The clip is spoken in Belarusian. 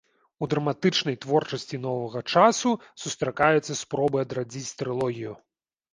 У драматычнай творчасці новага часу сустракаюцца спробы адрадзіць трылогію.